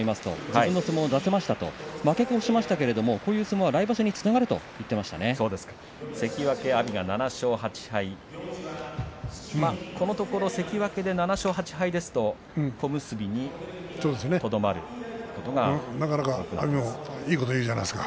自分の相撲を出せましたと負け越しましたけれどもこういう相撲は来場所に関脇阿炎は７勝８敗このところ関脇で７勝８敗ですと小結にとどまることがあります。